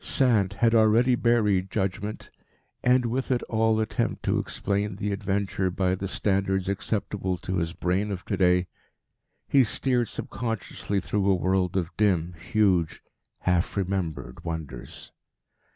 Sand had already buried judgment, and with it all attempt to explain the adventure by the standards acceptable to his brain of to day. He steered subconsciously through a world of dim, huge, half remembered wonders.